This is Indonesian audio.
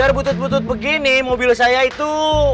saya butut butut begini mobil saya itu